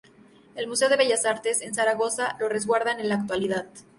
El Museo de Bellas Artes de Zaragoza lo resguarda en la actualidad.